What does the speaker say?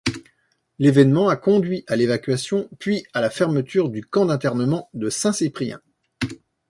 L'événement a conduit à l'évacuation puis à la fermeture du camp d'internement de Saint-Cyprien.